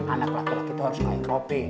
anak laki laki itu harus main coping